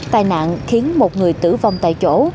tài nạn khiến một người tử vong tại chỗ